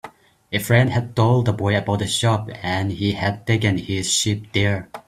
A friend had told the boy about the shop, and he had taken his sheep there.